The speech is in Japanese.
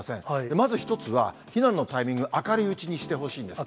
まず１つは、避難のタイミング、明るいうちにしてほしいんです。